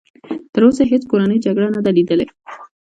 تر اوسه یې هېڅ کورنۍ جګړه نه ده لیدلې.